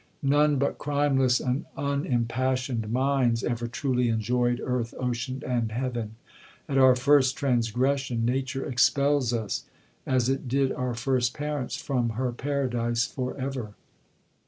None but crimeless and unimpassioned minds ever truly enjoyed earth, ocean, and heaven. At our first transgression, nature expels us, as it did our first parents, from her paradise for ever.